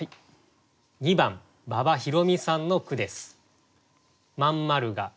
２番馬場ひろみさんの句です。